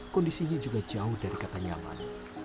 kondisinya juga jauh dari kata nyaman